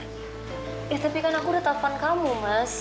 eh tapi kan aku udah telepon kamu mas